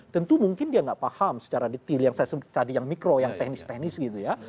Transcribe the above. tentu mungkin dia nggak paham secara detail yang saya sebut tadi yang mikro yang teknis teknis gitu ya